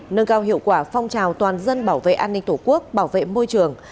nâng cao hiệu quả phong trào toàn dân bảo vệ an ninh tổ quốc bảo vệ môi trường